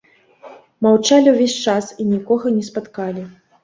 Маўчалі ўвесь час і нікога не спаткалі.